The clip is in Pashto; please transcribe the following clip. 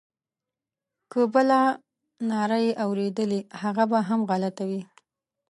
که بله ناره یې اورېدلې هغه به هم غلطه وي.